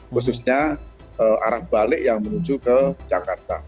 khususnya arah balik yang menuju ke jakarta